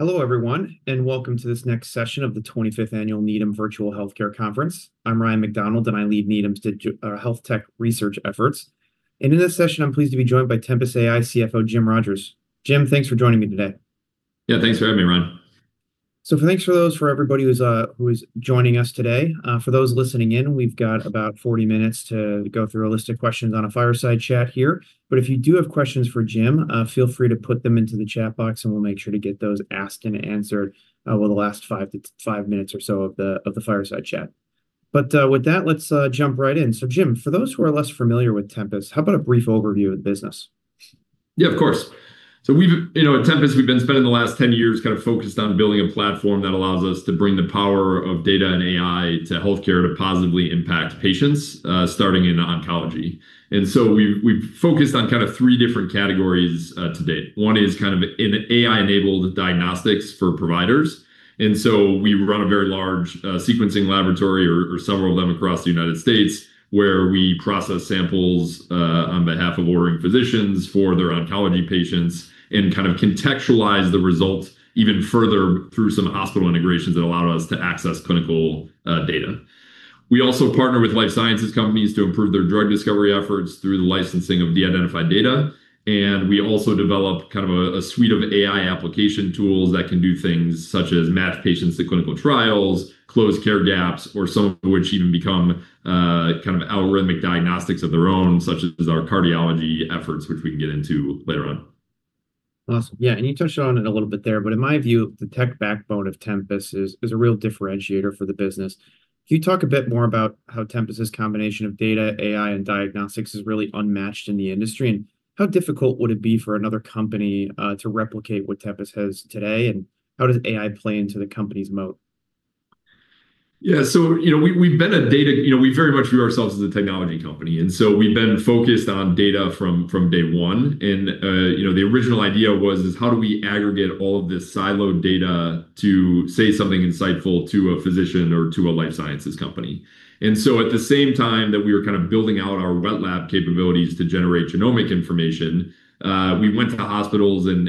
Hello, everyone, and welcome to this next session of the 25th Annual Needham Virtual Healthcare Conference. I'm Ryan MacDonald, and I lead Needham's health tech research efforts. In this session, I'm pleased to be joined by Tempus AI CFO Jim Rogers. Jim, thanks for joining me today. Yeah, thanks for having me, Ryan. Thanks for everybody who is joining us today. For those listening in, we've got about 40 minutes to go through a list of questions on a fireside chat here. If you do have questions for Jim, feel free to put them into the chat box and we'll make sure to get those asked and answered over the last five minutes or so of the fireside chat. With that, let's jump right in. Jim, for those who are less familiar with Tempus, how about a brief overview of the business? Yeah, of course. At Tempus, we've been spending the last 10 years focused on building a platform that allows us to bring the power of data and AI to healthcare to positively impact patients, starting in oncology. We've focused on three different categories to date. One is in AI-enabled diagnostics for providers. We run a very large sequencing laboratory, or several of them across the United States, where we process samples on behalf of ordering physicians for their oncology patients and contextualize the results even further through some hospital integrations that allow us to access clinical data. We also partner with life sciences companies to improve their drug discovery efforts through the licensing of de-identified data. We also develop kind of a suite of AI application tools that can do things such as match patients to clinical trials, close care gaps, or some of which even become algorithmic diagnostics of their own, such as our cardiology efforts, which we can get into later on. Awesome. Yeah. You touched on it a little bit there, but in my view, the tech backbone of Tempus is a real differentiator for the business. Can you talk a bit more about how Tempus's combination of data, AI, and diagnostics is really unmatched in the industry? How difficult would it be for another company to replicate what Tempus has today, and how does AI play into the company's moat? Yeah. We very much view ourselves as a technology company, and so we've been focused on data from day one. The original idea was, how do we aggregate all of this siloed data to say something insightful to a physician or to a life sciences company? At the same time that we were building out our wet lab capabilities to generate genomic information, we went to the hospitals and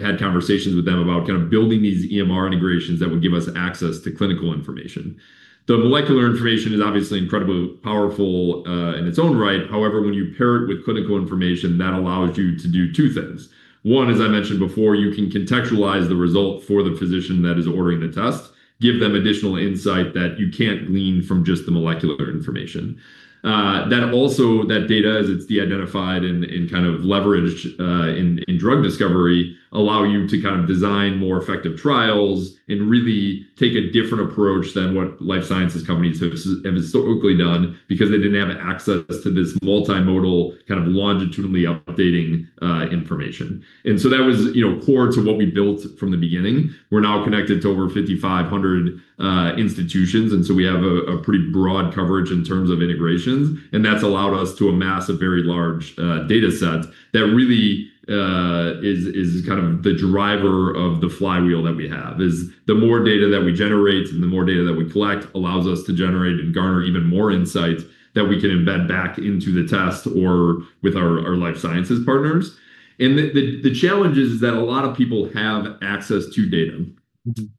had conversations with them about building these EMR integrations that would give us access to clinical information. The molecular information is obviously incredibly powerful, in its own right. However, when you pair it with clinical information, that allows you to do two things. One, as I mentioned before, you can contextualize the result for the physician that is ordering the test, give them additional insight that you can't glean from just the molecular information. That also, that data as it's de-identified and leveraged in drug discovery, allow you to design more effective trials and really take a different approach than what life sciences companies have historically done because they didn't have access to this multimodal longitudinally updating information. That was core to what we built from the beginning. We're now connected to over 5,500 institutions, and so we have a pretty broad coverage in terms of integrations. That's allowed us to amass a very large dataset that really is the driver of the flywheel that we have. The more data that we generate and the more data that we collect allows us to generate and garner even more insights that we can embed back into the test or with our life sciences partners. The challenge is that a lot of people have access to data.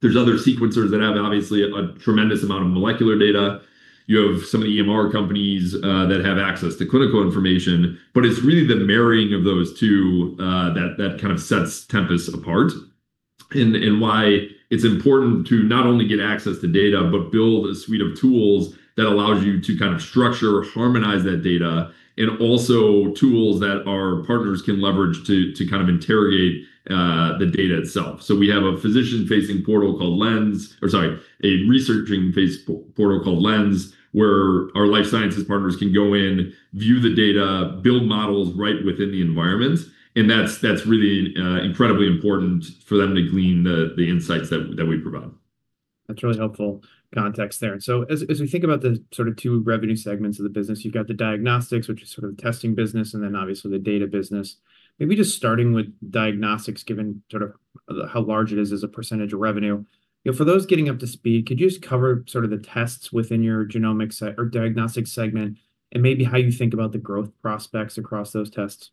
There's other sequencers that have, obviously, a tremendous amount of molecular data. You have some of the EMR companies that have access to clinical information, but it's really the marrying of those two that sets Tempus apart and why it's important to not only get access to data, but build a suite of tools that allows you to structure, harmonize that data, and also tools that our partners can leverage to interrogate the data itself. We have a research-facing portal called Lens, where our life sciences partners can go in, view the data, build models right within the environment, and that's really incredibly important for them to glean the insights that we provide. That's really helpful context there. As we think about the two revenue segments of the business, you've got the diagnostics, which is the testing business, and then obviously the data business. Maybe just starting with diagnostics, given how large it is as a percentage of revenue, for those getting up to speed, could you just cover the tests within your genomics or diagnostic segment and maybe how you think about the growth prospects across those tests?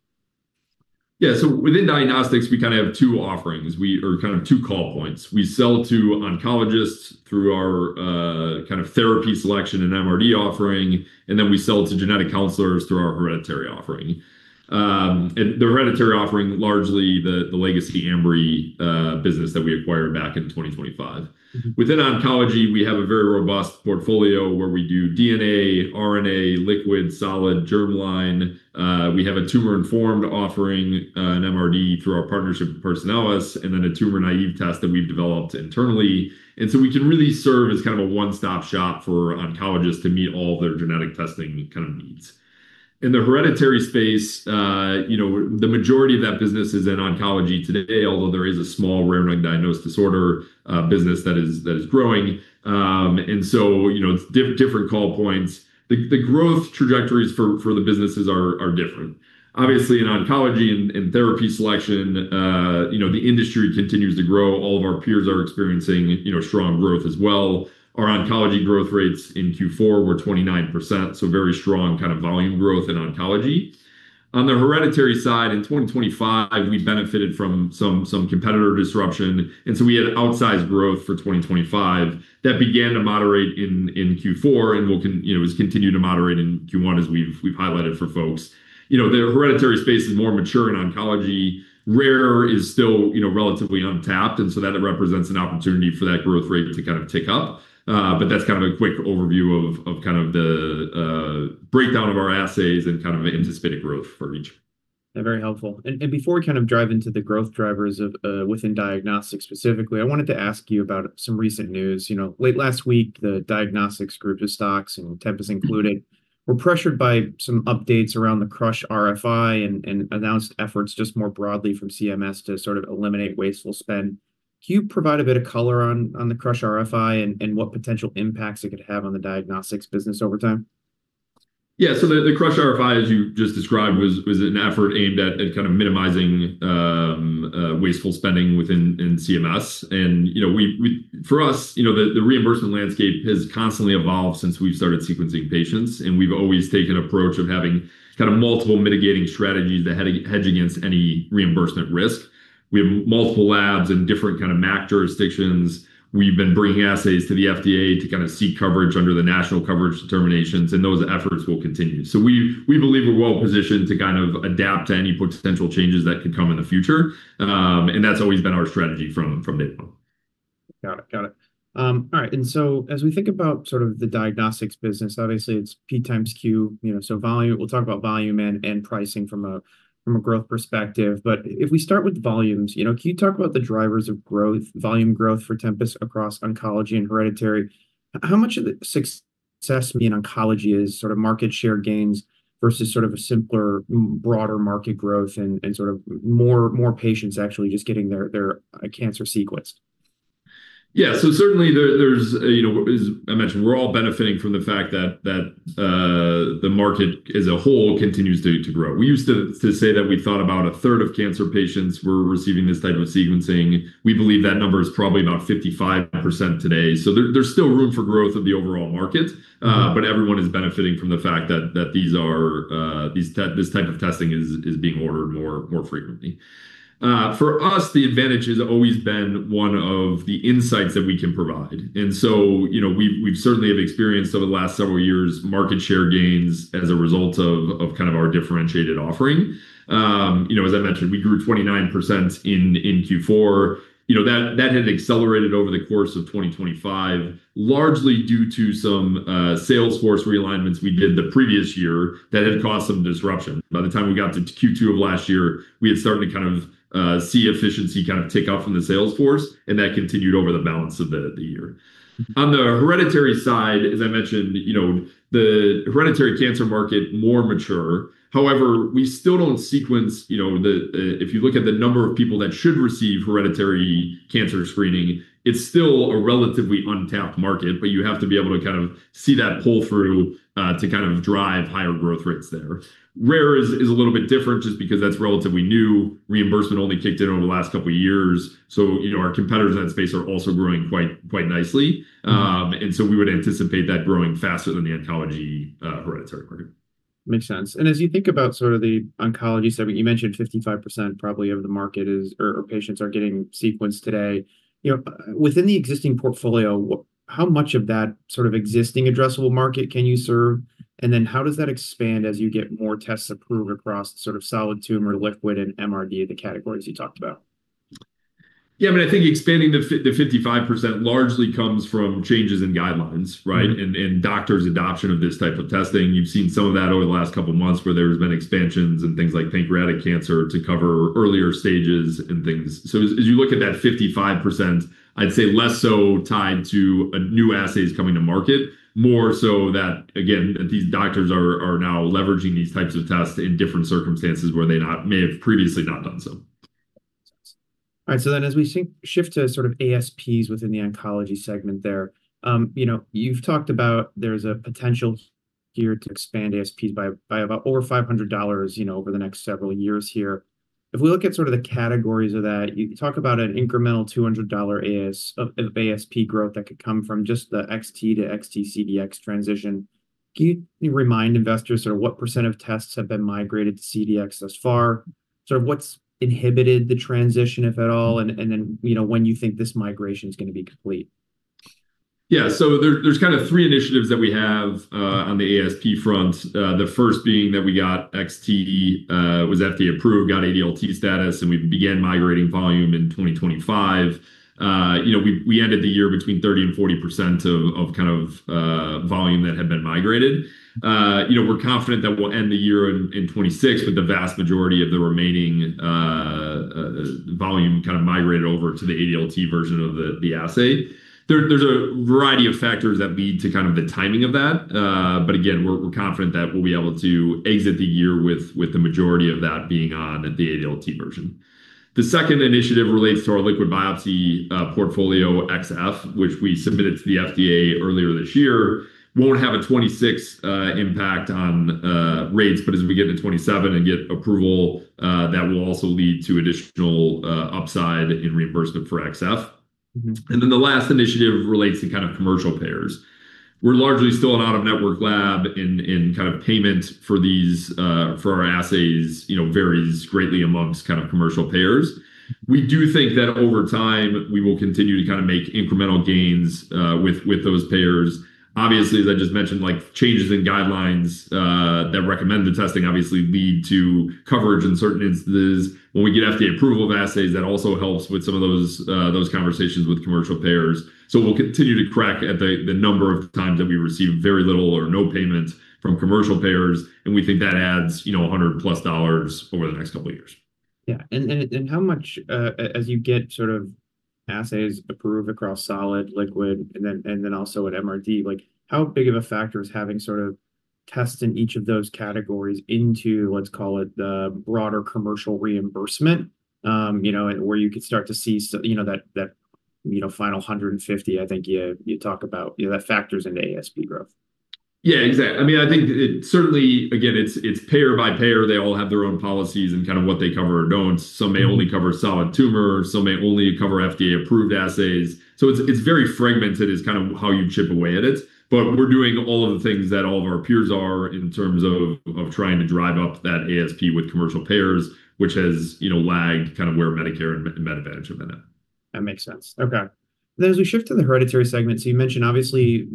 Yeah. Within diagnostics, we have two offerings or two call points. We sell to oncologists through our therapy selection and MRD offering, and then we sell to genetic counselors through our hereditary offering, the hereditary offering, largely the legacy Ambry business that we acquired back in 2025. Within oncology, we have a very robust portfolio where we do DNA, RNA, liquid, solid, germline. We have a tumor-informed offering, an MRD through our partnership with Personalis, and then a tumor-naive test that we've developed internally. We can really serve as a one-stop shop for oncologists to meet all of their genetic testing needs. In the hereditary space, the majority of that business is in oncology today, although there is a small rare undiagnosed disorder business that is growing. It's different call points. The growth trajectories for the businesses are different. Obviously, in oncology and therapy selection, the industry continues to grow. All of our peers are experiencing strong growth as well. Our oncology growth rates in Q4 were 29%, so very strong kind of volume growth in oncology. On the hereditary side in 2025, we benefited from some competitor disruption, and so we had outsized growth for 2025 that began to moderate in Q4 and will continue to moderate in Q1, as we've highlighted for folks. The hereditary space is more mature in oncology. Rare is still relatively untapped and so that represents an opportunity for that growth rate to kind of tick up. That's kind of a quick overview of the breakdown of our assays and anticipated growth for each. Very helpful. Before we drive into the growth drivers within diagnostics specifically, I wanted to ask you about some recent news. Late last week, the diagnostics group of stocks, and Tempus included, were pressured by some updates around the CRUSH RFI and announced efforts just more broadly from CMS to sort of eliminate wasteful spend. Can you provide a bit of color on the CRUSH RFI and what potential impacts it could have on the diagnostics business over time? Yeah. The CRUSH RFI, as you just described, was an effort aimed at kind of minimizing wasteful spending within CMS. For us, the reimbursement landscape has constantly evolved since we've started sequencing patients, and we've always taken approach of having kind of multiple mitigating strategies that hedge against any reimbursement risk. We have multiple labs and different kind of MAC jurisdictions. We've been bringing assays to the FDA to kind of seek coverage under the National Coverage Determinations, and those efforts will continue. We believe we're well positioned to kind of adapt to any potential changes that could come in the future. That's always been our strategy from day one. Got it. All right. As we think about sort of the diagnostics business, obviously it's P x Q, you know, so volume. We'll talk about volume and pricing from a growth perspective. If we start with volumes, can you talk about the drivers of volume growth for Tempus across oncology and hereditary? How much of the success in oncology is sort of market share gains versus sort of a simpler, broader market growth and sort of more patients actually just getting their cancer sequenced? Yeah. Certainly there's, as I mentioned, we're all benefiting from the fact that the market as a whole continues to grow. We used to say that we thought about 1/3 of cancer patients were receiving this type of sequencing. We believe that number is probably about 55% today. There's still room for growth of the overall market, but everyone is benefiting from the fact that this type of testing is being ordered more frequently. For us, the advantage has always been one of the insights that we can provide. We certainly have experienced over the last several years market share gains as a result of kind of our differentiated offering. As I mentioned, we grew 29% in Q4. That had accelerated over the course of 2025, largely due to some Salesforce realignments we did the previous year that had caused some disruption. By the time we got to Q2 of last year, we had started to kind of see efficiency kind of tick up from the Salesforce, and that continued over the balance of the year. On the hereditary side, as I mentioned, the hereditary cancer market, more mature, however, we still don't sequence, if you look at the number of people that should receive hereditary cancer screening, it's still a relatively untapped market. You have to be able to kind of see that pull-through to kind of drive higher growth rates there. Rare is a little bit different just because that's relatively new. Reimbursement only kicked in over the last couple of years, so our competitors in that space are also growing quite nicely. We would anticipate that growing faster than the oncology hereditary market. Makes sense. As you think about sort of the oncology segment, you mentioned 55% probably of the market is, or patients are getting sequenced today. Within the existing portfolio, how much of that sort of existing addressable market can you serve? How does that expand as you get more tests approved across sort of solid tumor, liquid, and MRD, the categories you talked about? Yeah, I think expanding the 55% largely comes from changes in guidelines, right? Doctors' adoption of this type of testing, you've seen some of that over the last couple of months where there's been expansions in things like pancreatic cancer to cover earlier stages and things. As you look at that 55%, I'd say less so tied to new assays coming to market, more so that, again, these doctors are now leveraging these types of tests in different circumstances where they may have previously not done so. All right. As we shift to sort of ASPs within the oncology segment there, you've talked about there's a potential here to expand ASPs by about over $500 over the next several years here. If we look at sort of the categories of that, you talk about an incremental $200 of ASP growth that could come from just the xT to xT CDx transition. Can you remind investors sort of what percent of tests have been migrated to CDx thus far? Sort of what's inhibited the transition, if at all, and then when you think this migration's going to be complete? Yeah. There's kind of three initiatives that we have on the ASP front, the first being that we got xT, was FDA approved, got ADLT status, and we began migrating volume in 2025. We ended the year between 30% and 40% of kind of volume that had been migrated. We're confident that we'll end the year in 2026 with the vast majority of the remaining volume kind of migrated over to the ADLT version of the assay. There's a variety of factors that lead to the timing of that. Again, we're confident that we'll be able to exit the year with the majority of that being on the ADLT version. The second initiative relates to our liquid biopsy portfolio, xF, which we submitted to the FDA earlier this year, won't have a 2026 impact on rates, but as we get to 2027 and get approval, that will also lead to additional upside in reimbursement for xF. The last initiative relates to commercial payers. We're largely still an out-of-network lab and payment for our assays varies greatly amongst commercial payers. We do think that over time, we will continue to make incremental gains with those payers. Obviously, as I just mentioned, changes in guidelines that recommend the testing obviously lead to coverage in certain instances. When we get FDA approval of assays, that also helps with some of those conversations with commercial payers. We'll continue to crack at the number of times that we receive very little or no payment from commercial payers, and we think that adds $100+ over the next couple of years. Yeah. How much, as you get assays approved across solid, liquid, and then also at MRD, how big of a factor is having tests in each of those categories into, let's call it, the broader commercial reimbursement where you could start to see that final $150, I think you talk about that factors into ASP growth? Yeah, exactly. I think it certainly, again, it's payer by payer. They all have their own policies and what they cover or don't. Some may only cover solid tumor, some may only cover FDA-approved assays. It's very fragmented is how you chip away at it. We're doing all of the things that all of our peers are in terms of trying to drive up that ASP with commercial payers, which has lagged where Medicare and Medicare Advantage have been at. That makes sense. Okay. As we shift to the hereditary segment, you mentioned obviously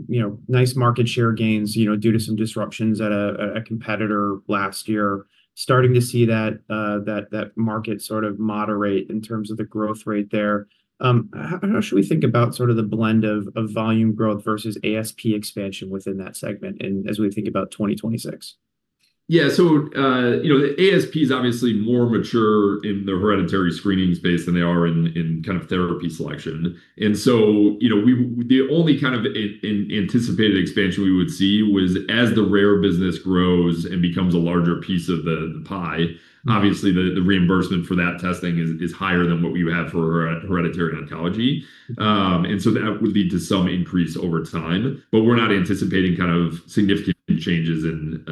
nice market share gains due to some disruptions at a competitor last year, starting to see that market sort of moderate in terms of the growth rate there. How should we think about the blend of volume growth versus ASP expansion within that segment and as we think about 2026? Yeah. ASP is obviously more mature in the hereditary screening space than they are in therapy selection. The only kind of anticipated expansion we would see was as the rare business grows and becomes a larger piece of the pie, obviously the reimbursement for that testing is higher than what we would have for hereditary oncology. That would lead to some increase over time. We're not anticipating significant changes in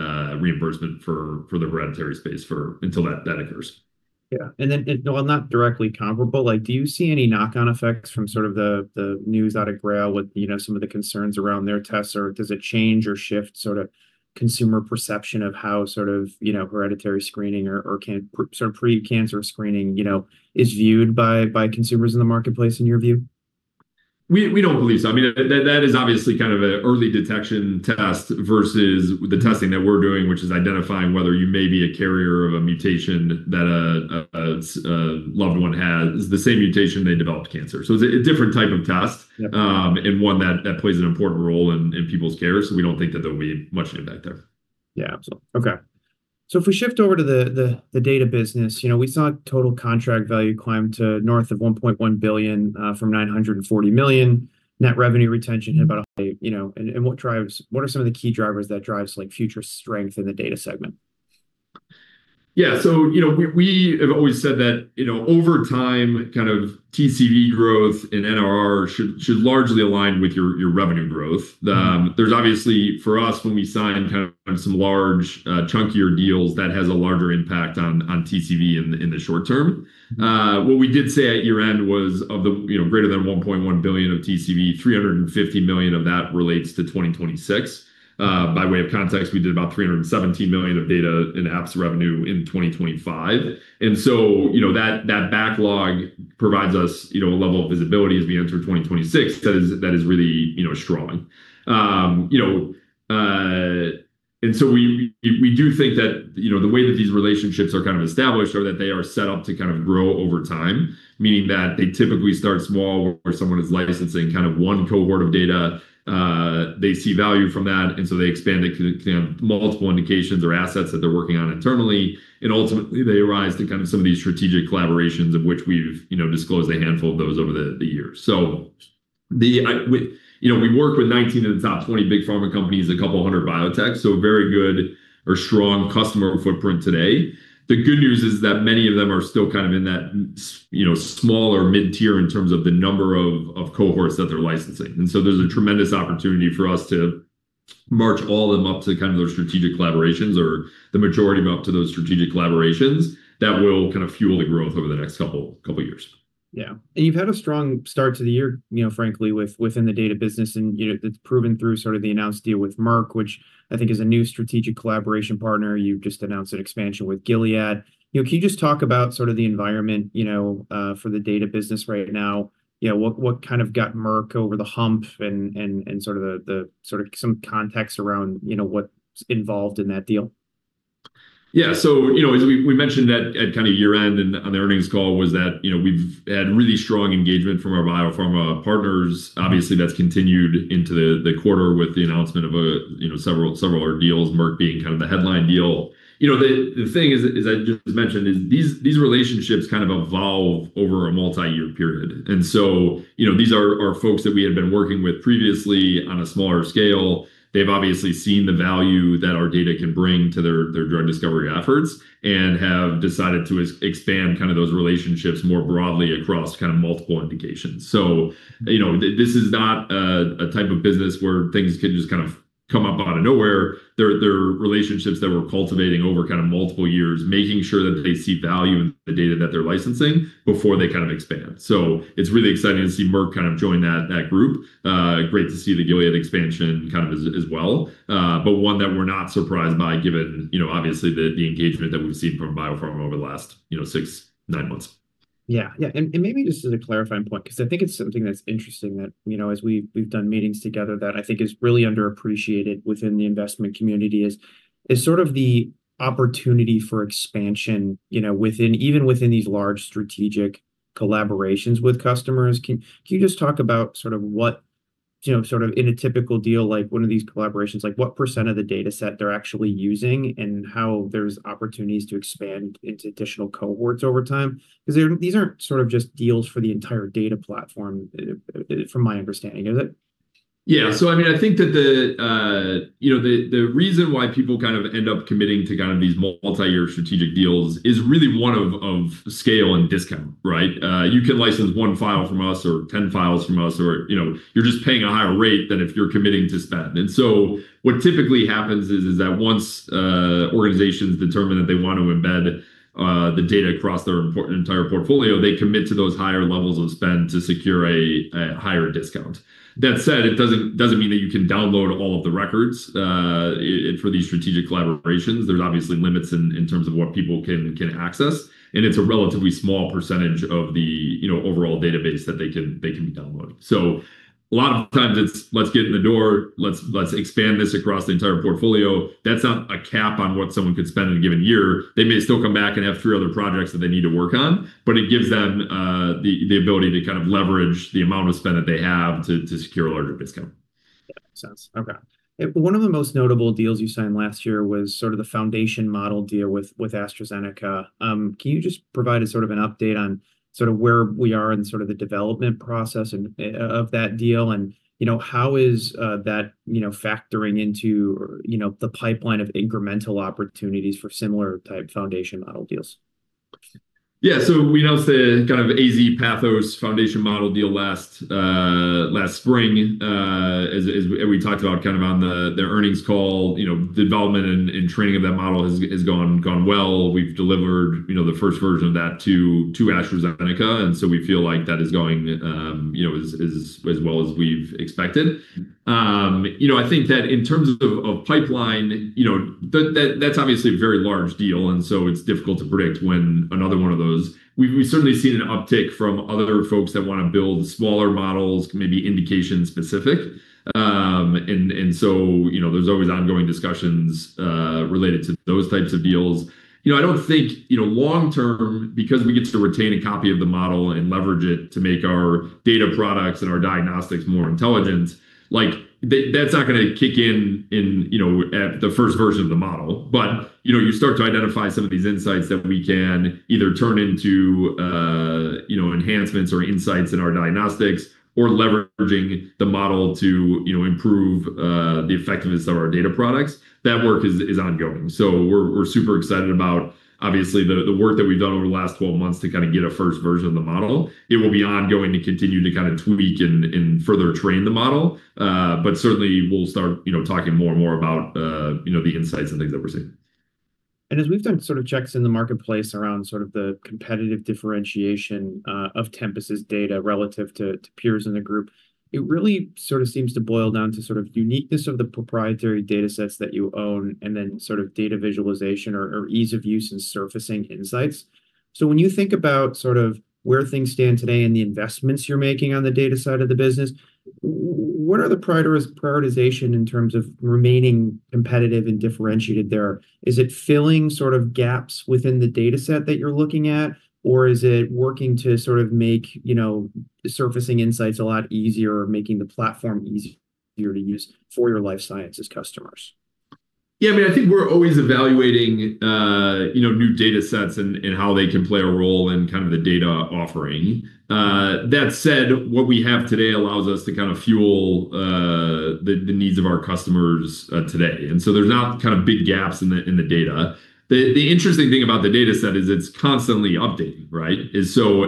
reimbursement for the hereditary space until that occurs. Yeah. While not directly comparable, do you see any knock-on effects from the news out of Grail with some of the concerns around their tests, or does it change or shift consumer perception of how hereditary screening or precancer screening is viewed by consumers in the marketplace in your view? We don't believe so. That is obviously an early detection test versus the testing that we're doing, which is identifying whether you may be a carrier of a mutation that a loved one has, the same mutation they developed cancer. It's a different type of test. One that plays an important role in people's care. We don't think that there'll be much impact there. Yeah. Absolutely. Okay. If we shift over to the data business, we saw Total Contract Value climb to north of $1.1 billion from $940 million. What are some of the key drivers that drives future strength in the data segment? Yeah. We have always said that, over time, TCV growth and NRR should largely align with your revenue growth. There's obviously for us, when we sign some large chunkier deals, that has a larger impact on TCV in the short term. What we did say at year-end was of the greater than $1.1 billion of TCV, $350 million of that relates to 2026. By way of context, we did about $317 million of data and Apps revenue in 2025, and so that backlog provides us a level of visibility as we enter 2026 that is really strong. We do think that the way that these relationships are established are that they are set up to grow over time, meaning that they typically start small where someone is licensing one cohort of data. They see value from that, and so they expand it to multiple indications or assets that they're working on internally. Ultimately, they rise to some of these strategic collaborations of which we've disclosed a handful of those over the years. We work with 19 of the top 20 big pharma companies, a couple hundred biotechs, so very good or strong customer footprint today. The good news is that many of them are still in that small or mid-tier in terms of the number of cohorts that they're licensing. There's a tremendous opportunity for us to march all of them up to those strategic collaborations or the majority of them up to those strategic collaborations that will fuel the growth over the next couple years. Yeah. You've had a strong start to the year, frankly, within the data business, and it's proven through the announced deal with Merck, which I think is a new strategic collaboration partner. You've just announced an expansion with Gilead. Can you just talk about the environment for the data business right now, what got Merck over the hump and some context around what's involved in that deal? Yeah. As we mentioned at kind of year-end and on the earnings call was that we've had really strong engagement from our biopharma partners. Obviously, that's continued into the quarter with the announcement of several other deals, Merck being kind of the headline deal. The thing is, as I just mentioned, is these relationships kind of evolve over a multi-year period. These are folks that we had been working with previously on a smaller scale. They've obviously seen the value that our data can bring to their drug discovery efforts and have decided to expand those relationships more broadly across multiple indications. This is not a type of business where things can just kind of come up out of nowhere. They're relationships that we're cultivating over multiple years, making sure that they see value in the data that they're licensing before they expand. It's really exciting to see Merck join that group. Great to see the Gilead expansion as well, but one that we're not surprised by given obviously the engagement that we've seen from biopharma over the last six-nine months. Yeah. Maybe just as a clarifying point, because I think it's something that's interesting that, as we've done meetings together that I think is really underappreciated within the investment community, is sort of the opportunity for expansion even within these large strategic collaborations with customers. Can you just talk about, sort of in a typical deal, like one of these collaborations, what percent of the dataset they're actually using and how there's opportunities to expand into additional cohorts over time? Because these aren't sort of just deals for the entire data platform from my understanding, is it? Yeah. I think that the reason why people end up committing to these multi-year strategic deals is really one of scale and discount, right? You could license one file from us or 10 files from us, or you're just paying a higher rate than if you're committing to spend. What typically happens is that once organizations determine that they want to embed the data across their entire portfolio, they commit to those higher levels of spend to secure a higher discount. That said, it doesn't mean that you can download all of the records for these strategic collaborations. There's obviously limits in terms of what people can access, and it's a relatively small percentage of the overall database that they can download. A lot of times it's let's get in the door, let's expand this across the entire portfolio. That's not a cap on what someone could spend in a given year. They may still come back and have three other projects that they need to work on, but it gives them the ability to kind of leverage the amount of spend that they have to secure a larger discount. Yeah. Makes sense. Okay. One of the most notable deals you signed last year was sort of the foundation model deal with AstraZeneca. Can you just provide an update on sort of where we are in the development process of that deal and how is that factoring into the pipeline of incremental opportunities for similar type foundation model deals? Yeah. We announced the kind of AZ Pathos foundation model deal last spring. As we talked about on the earnings call, the development and training of that model has gone well. We've delivered the first version of that to AstraZeneca, and so we feel like that is going as well as we've expected. I think that in terms of pipeline, that's obviously a very large deal, and so it's difficult to predict when another one of those. We've certainly seen an uptick from other folks that want to build smaller models, maybe indication-specific. There's always ongoing discussions related to those types of deals. I don't think long term, because we get to retain a copy of the model and leverage it to make our data products and our diagnostics more intelligent, that's not going to kick in at the first version of the model. You start to identify some of these insights that we can either turn into enhancements or insights in our diagnostics or leveraging the model to improve the effectiveness of our data products. That work is ongoing. We're super excited about, obviously, the work that we've done over the last 12 months to kind of get a first version of the model. It will be ongoing to continue to kind of tweak and further train the model. Certainly we'll start talking more and more about the insights and things that we're seeing. As we've done sort of checks in the marketplace around sort of the competitive differentiation of Tempus' data relative to peers in the group, it really sort of seems to boil down to sort of uniqueness of the proprietary datasets that you own, and then sort of data visualization or ease of use in surfacing insights. When you think about sort of where things stand today and the investments you're making on the data side of the business, what are the prioritization in terms of remaining competitive and differentiated there? Is it filling sort of gaps within the dataset that you're looking at, or is it working to sort of make surfacing insights a lot easier, making the platform easier to use for your life sciences customers? Yeah, I think we're always evaluating new datasets and how they can play a role in kind of the data offering. That said, what we have today allows us to kind of fuel the needs of our customers today, and so there's not kind of big gaps in the data. The interesting thing about the dataset is it's constantly updating, right?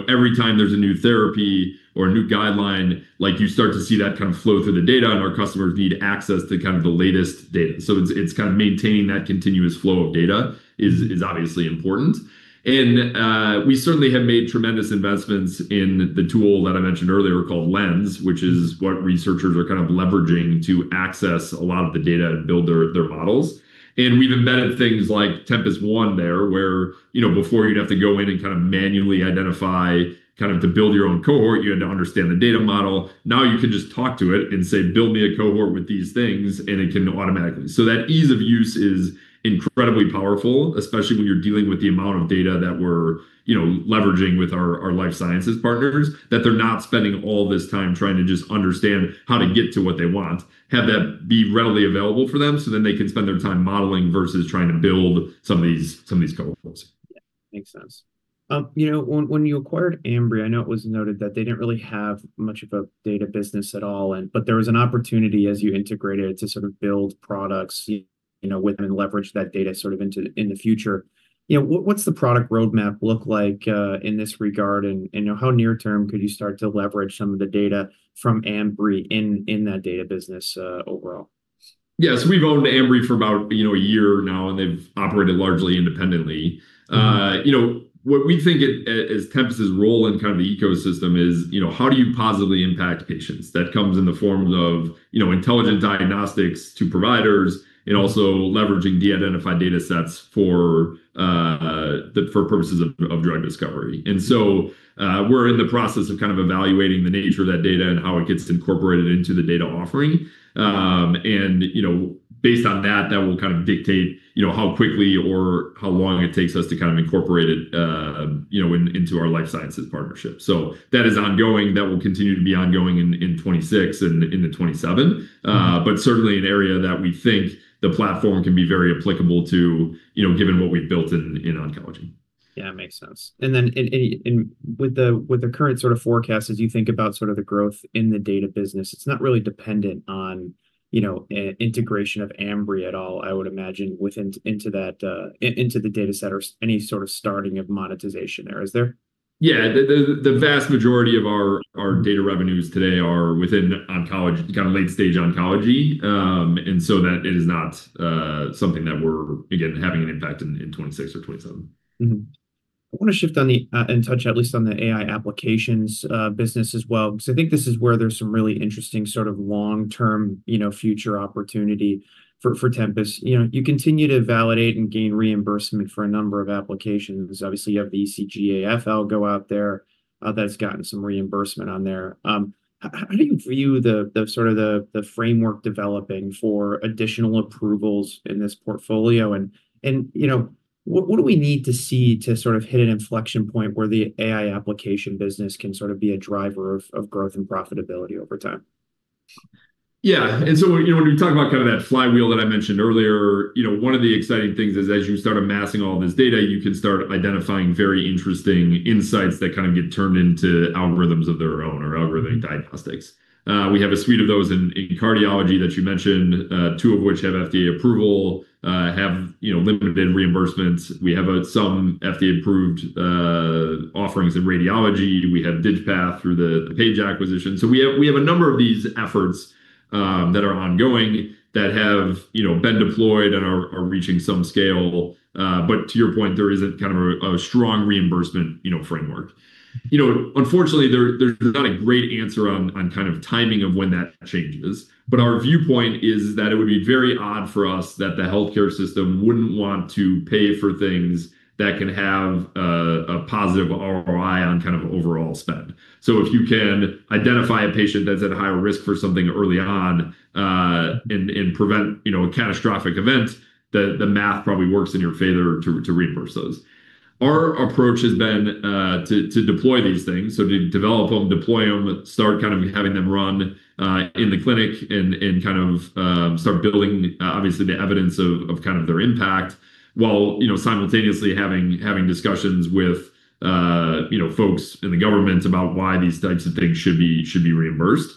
Every time there's a new therapy or a new guideline, you start to see that kind of flow through the data, and our customers need access to the latest data. It's kind of maintaining that continuous flow of data is obviously important. We certainly have made tremendous investments in the tool that I mentioned earlier called Lens, which is what researchers are kind of leveraging to access a lot of the data to build their models. We've embedded things like Tempus One there, where before you'd have to go in and kind of manually identify kind of to build your own cohort. You had to understand the data model. Now you can just talk to it and say, "Build me a cohort with these things," and it can do it automatically. That ease of use is incredibly powerful, especially when you're dealing with the amount of data that we're leveraging with our life sciences partners, that they're not spending all this time trying to just understand how to get to what they want, have that be readily available for them so then they can spend their time modeling versus trying to build some of these cohorts. Makes sense. When you acquired Ambry, I know it was noted that they didn't really have much of a data business at all, but there was an opportunity as you integrated to sort of build products with and leverage that data sort of into the future. What's the product roadmap look like in this regard, and how near-term could you start to leverage some of the data from Ambry in that data business overall? Yeah. We've owned Ambry for about a year now, and they've operated largely independently. What we think is Tempus' role in the ecosystem is how do you positively impact patients. That comes in the form of intelligent diagnostics to providers and also leveraging de-identified data sets for purposes of drug discovery. We're in the process of evaluating the nature of that data and how it gets incorporated into the data offering. Based on that will dictate how quickly or how long it takes us to incorporate it into our life sciences partnership. That is ongoing. That will continue to be ongoing in 2026 and into 2027, certainly an area that we think the platform can be very applicable to, given what we've built in oncology. Yeah, makes sense. With the current sort of forecast, as you think about the growth in the data business, it's not really dependent on integration of Ambry at all, I would imagine, into the dataset or any sort of starting of monetization there, is there? Yeah. The vast majority of our data revenues today are within late-stage oncology, and so that is not something that we're, again, having an impact in 2026 or 2027. I want to shift and touch at least on the AI applications business as well, because I think this is where there's some really interesting long-term future opportunity for Tempus. You continue to validate and gain reimbursement for a number of applications. Obviously, you have the ECG-AF go out there that's gotten some reimbursement on there. How do you view the framework developing for additional approvals in this portfolio, and what do we need to see to hit an inflection point where the AI application business can be a driver of growth and profitability over time? Yeah. When you talk about that flywheel that I mentioned earlier, one of the exciting things is as you start amassing all this data, you can start identifying very interesting insights that get turned into algorithms of their own or algorithmic diagnostics. We have a suite of those in cardiology that you mentioned, two of which have FDA approval, have limited reimbursements. We have some FDA-approved offerings in radiology. We have digital pathology through the Paige acquisition. We have a number of these efforts that are ongoing that have been deployed and are reaching some scale. To your point, there isn't a strong reimbursement framework. Unfortunately, there's not a great answer on timing of when that changes. Our viewpoint is that it would be very odd for us that the healthcare system wouldn't want to pay for things that can have a positive ROI on overall spend. If you can identify a patient that's at a higher risk for something early on and prevent a catastrophic event, the math probably works in your favor to reimburse those. Our approach has been to deploy these things, so to develop them, deploy them, start having them run in the clinic, and start building, obviously, the evidence of their impact, while simultaneously having discussions with folks in the government about why these types of things should be reimbursed.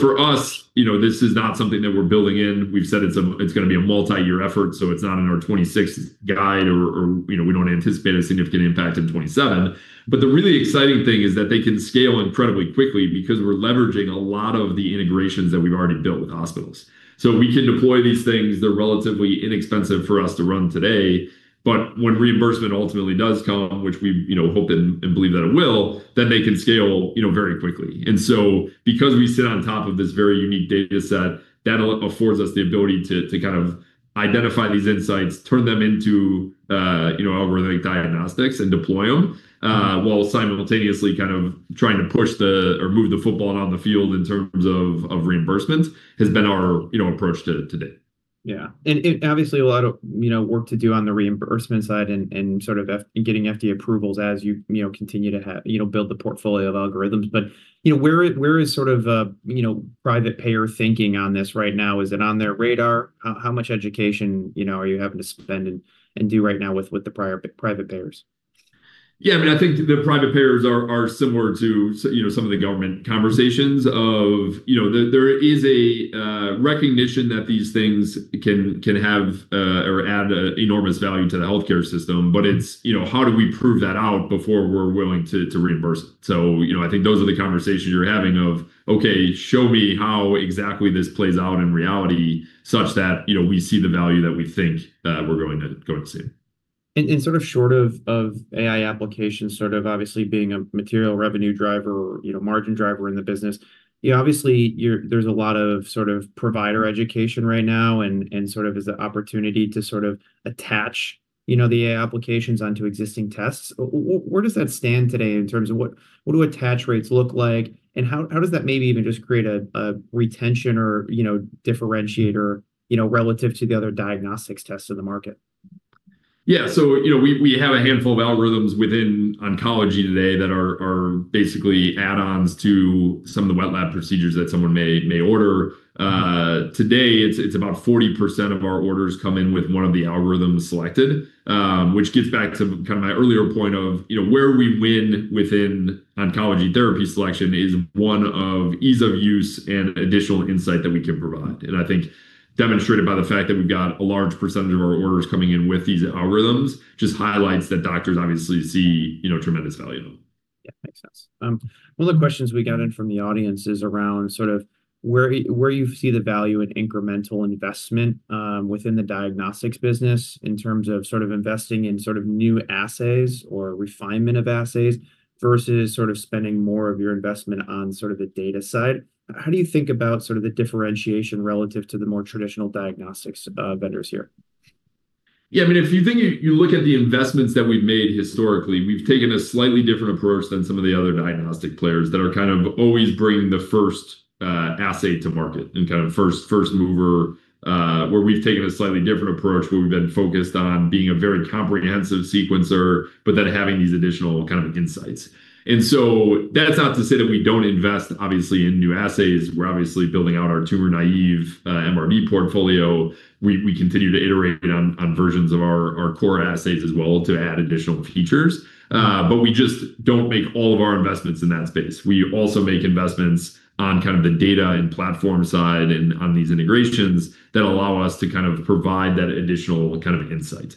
For us, this is not something that we're building in. We've said it's going to be a multi-year effort, so it's not in our 2026 guide or we don't anticipate a significant impact in 2027. The really exciting thing is that they can scale incredibly quickly because we're leveraging a lot of the integrations that we've already built with hospitals. We can deploy these things. They're relatively inexpensive for us to run today, but when reimbursement ultimately does come, which we hope and believe that it will, then they can scale very quickly. Because we sit on top of this very unique dataset, that affords us the ability to identify these insights, turn them into algorithmic diagnostics and deploy them while simultaneously trying to move the football down the field in terms of reimbursement has been our approach to date. Yeah, obviously a lot of work to do on the reimbursement side and getting FDA approvals as you continue to build the portfolio of algorithms. Where is private payer thinking on this right now? Is it on their radar? How much education are you having to spend and do right now with the private payers? Yeah. I think the private payers are similar to some of the government conversations of there is a recognition that these things can have or add enormous value to the healthcare system, but it's how do we prove that out before we're willing to reimburse? I think those are the conversations you're having of, okay, show me how exactly this plays out in reality such that we see the value that we think we're going to see. Short of AI applications obviously being a material revenue driver or margin driver in the business, obviously there's a lot of provider education right now, and is the opportunity to attach the AI applications onto existing tests? Where does that stand today in terms of what do attach rates look like, and how does that maybe even just create a retention or differentiator relative to the other diagnostics tests in the market? Yeah. We have a handful of algorithms within oncology today that are basically add-ons to some of the wet lab procedures that someone may order. Today, it's about 40% of our orders come in with one of the algorithms selected, which gets back to my earlier point of where we win within oncology therapy selection is one of ease of use and additional insight that we can provide. I think demonstrated by the fact that we've got a large percentage of our orders coming in with these algorithms just highlights that doctors obviously see tremendous value in them. Yeah. Makes sense. One of the questions we got in from the audience is around sort of where you see the value in incremental investment within the diagnostics business in terms of investing in new assays or refinement of assays versus spending more of your investment on the data side. How do you think about the differentiation relative to the more traditional diagnostics vendors here? Yeah, if you look at the investments that we've made historically, we've taken a slightly different approach than some of the other diagnostic players that are kind of always bringing the first assay to market and kind of first mover, where we've taken a slightly different approach, where we've been focused on being a very comprehensive sequencer, but then having these additional kind of insights. That's not to say that we don't invest, obviously, in new assays. We're obviously building out our tumor-naive MRD portfolio. We continue to iterate on versions of our core assays as well to add additional features. We just don't make all of our investments in that space. We also make investments on the data and platform side and on these integrations that allow us to provide that additional insight.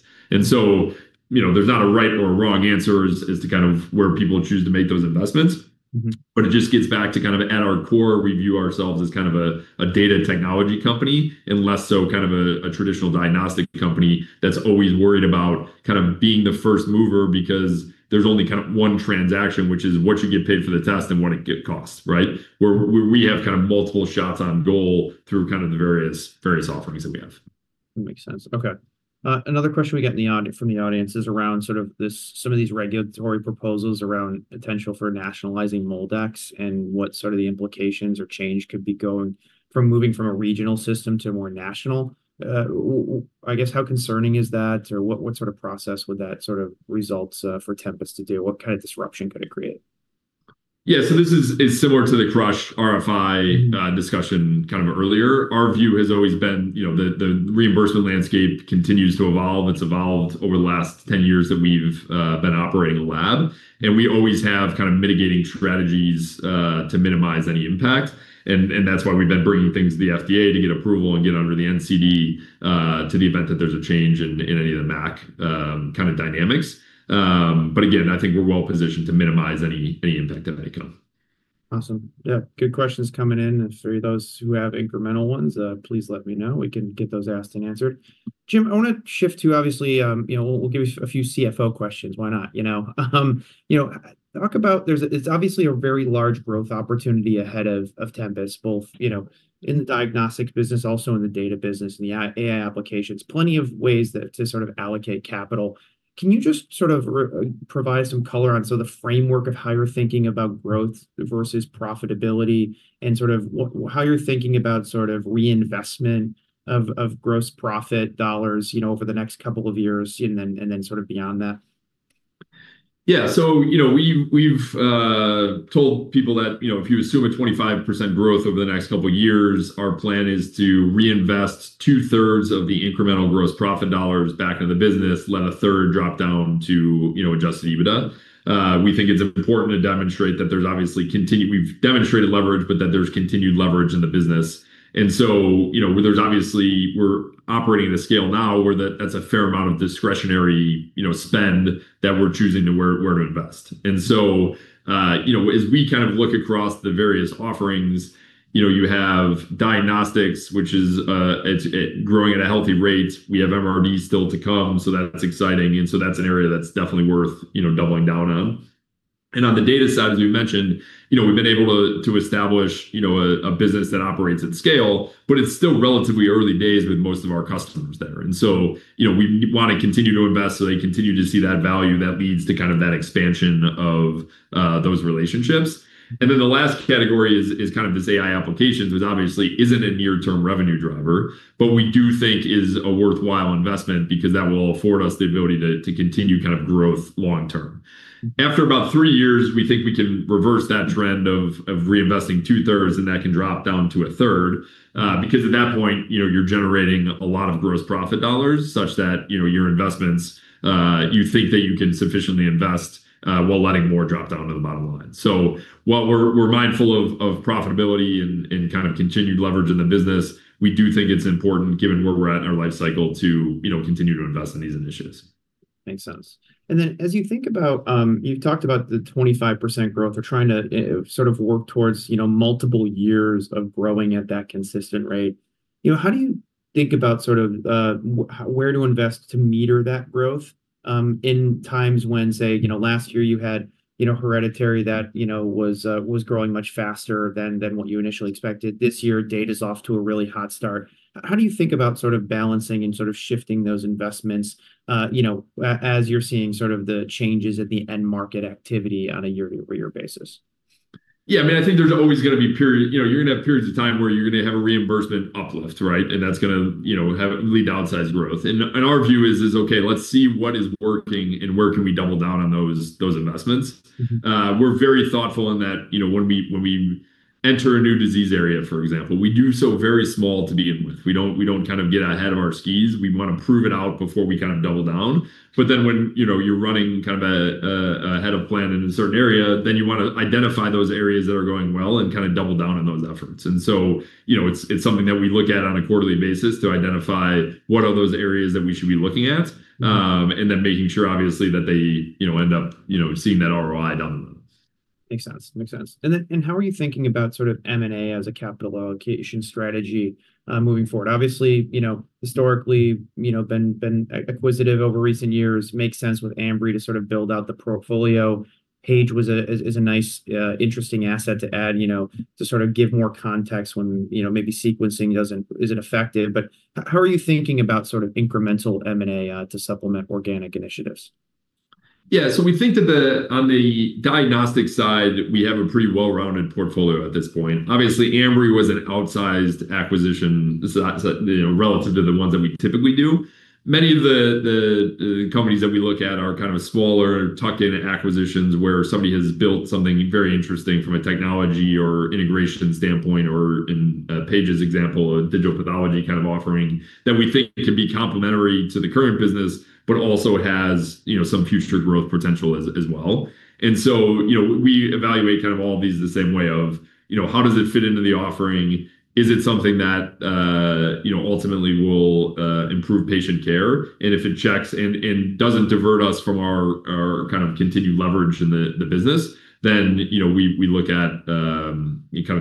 But it just gets back to kind of at our core, we view ourselves as kind of a data technology company and less so kind of a traditional diagnostic company that always worried about being the first mover because there's only one transcation which is what you get paid for the test and what it get cost, right? We've got multiple shots on goal through various offerings that we have. That makes sense. Okay. Another question we got from the audience is around some of these regulatory proposals around potential for nationalizing MolDx and what sort of the implications or change could be moving from a regional system to more national. I guess, how concerning is that, or what sort of process would that sort of result for Tempus to do? What kind of disruption could it create? Yeah. This is similar to the CRUSH RFI discussion earlier. Our view has always been the reimbursement landscape continues to evolve. It's evolved over the last 10 years that we've been operating a lab, and we always have mitigating strategies to minimize any impact. That's why we've been bringing things to the FDA to get approval and get under the NCD in the event that there's a change in any of the MAC kind of dynamics. Again, I think we're well positioned to minimize any impact that may come. Awesome. Yeah. Good questions coming in. For those who have incremental ones, please let me know. We can get those asked and answered. Jim, I want to shift to, obviously, we'll give you a few CFO questions. Why not? It's obviously a very large growth opportunity ahead of Tempus both in the diagnostics business, also in the data business and the AI applications. Plenty of ways to allocate capital. Can you just provide some color on the framework of how you're thinking about growth versus profitability and how you're thinking about reinvestment of gross profit dollars over the next couple of years and then beyond that? Yeah. We've told people that if you assume a 25% growth over the next couple of years, our plan is to reinvest 2/3 of the incremental gross profit dollars back into the business, let 1/3 drop down to Adjusted EBITDA. We think it's important to demonstrate that we've demonstrated leverage, but that there's continued leverage in the business. Obviously, we're operating at a scale now where that's a fair amount of discretionary spend that we're choosing where to invest. As we look across the various offerings, you have diagnostics, which is growing at a healthy rate. We have MRDs still to come, so that's exciting. That's an area that's definitely worth doubling down on. On the data side, as we've mentioned, we've been able to establish a business that operates at scale, but it's still relatively early days with most of our customers there. We want to continue to invest so they continue to see that value that leads to that expansion of those relationships. The last category is this AI applications, which obviously isn't a near-term revenue driver, but we do think is a worthwhile investment because that will afford us the ability to continue growth long term. After about three years, we think we can reverse that trend of reinvesting 2/3, and that can drop down to 1/3, because at that point, you're generating a lot of gross profit dollars such that your investments, you think that you can sufficiently invest while letting more drop down to the bottom line. While we're mindful of profitability and kind of continued leverage in the business, we do think it's important given where we're at in our life cycle to continue to invest in these initiatives. Makes sense. You've talked about the 25% growth. We're trying to sort of work towards multiple years of growing at that consistent rate. How do you think about where to invest to meter that growth in times when, say, last year you had hereditary that was growing much faster than what you initially expected? This year, data's off to a really hot start. How do you think about balancing and shifting those investments as you're seeing the changes at the end market activity on a year-over-year basis? Yeah, I think there's always going to be periods of time where you're going to have a reimbursement uplift, right? That's going to heavily drive growth. Our view is, okay, let's see what is working and where can we double down on those investments. We're very thoughtful in that when we enter a new disease area, for example, we do so very small to begin with. We don't get ahead of our skis. We want to prove it out before we double down. When you're running ahead of plan in a certain area, then you want to identify those areas that are going well and double down on those efforts. It's something that we look at on a quarterly basis to identify what are those areas that we should be looking at, and then making sure, obviously, that they end up seeing that ROI down the line. Makes sense. How are you thinking about M&A as a capital allocation strategy moving forward? Obviously, historically, you've been acquisitive over recent years. It makes sense with Ambry to build out the portfolio. Paige was a nice, interesting asset to add to give more context when maybe sequencing isn't effective. How are you thinking about incremental M&A to supplement organic initiatives? Yeah. We think that on the diagnostic side, we have a pretty well-rounded portfolio at this point. Obviously, Ambry was an outsized acquisition relative to the ones that we typically do. Many of the companies that we look at are smaller, tucked-in acquisitions, where somebody has built something very interesting from a technology or integration standpoint, or in Paige's example, a digital pathology offering that we think could be complementary to the current business, but also has some future growth potential as well. We evaluate all of these the same way of how does it fit into the offering? Is it something that ultimately will improve patient care? If it checks and doesn't divert us from our continued leverage in the business, then we look at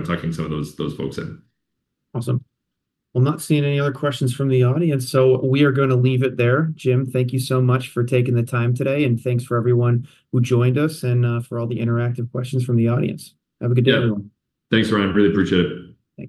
tucking some of those folks in. Awesome. Well, I'm not seeing any other questions from the audience, so we are going to leave it there. Jim, thank you so much for taking the time today, and thanks for everyone who joined us and for all the interactive questions from the audience. Have a good day, everyone. Yeah. Thanks, Ryan. I really appreciate it.